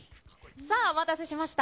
さあ、お待たせしました。